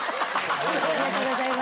ありがとうございます。